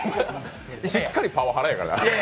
しっかりパワハラやから。